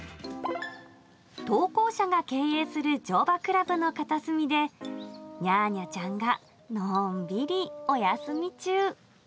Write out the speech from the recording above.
投稿者が経営する乗馬クラブの片隅で、にゃーにゃちゃんがのんびりお休み中。